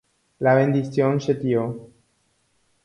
La bendición che tio.